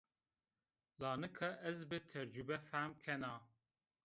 La nika ez bi tecrube fehm kena.